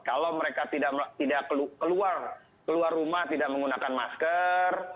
kalau mereka tidak keluar rumah tidak menggunakan masker